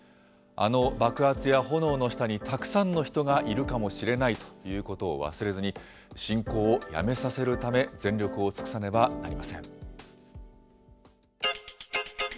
あの爆発や炎の下に、たくさんの人がいるかもしれないということを忘れずに、侵攻をやめさせるため、全力を尽くさねばなりません。